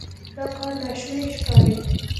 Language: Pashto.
دا کار ناشونی ښکاري.